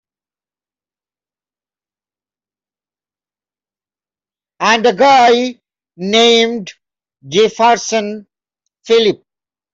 And a guy named Jefferson Phillip.